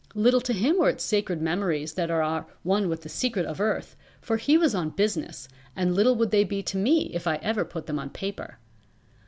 Little to him were its sacred memories that are one with the secret of earth, for he was on business, and little would they be to me if I ever put them on paper.